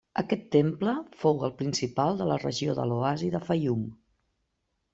Aquest temple fou el principal de la regió de l'Oasi de Faium.